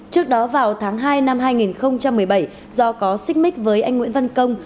trước đó vào tháng hai năm hai nghìn một mươi bảy do có xích mích với anh nguyễn văn công